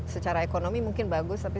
secara ekonomi mungkin bagus tapi